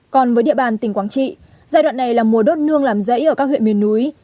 còn với địa bàn tỉnh quảng trị giai đoạn này là mùa đốt nương làm rẫy ở các huyện miền núi